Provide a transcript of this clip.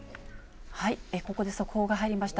ここで速報が入りました。